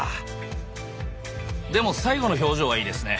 でも最後の表情はいいですね。